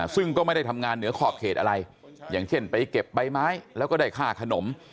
ซึ่งก็ไม่ได้ทำงานเหนือขอบเขตอะไรอย่างเช่นไปเก็บใบไม้แล้วก็ได้ค่าขนม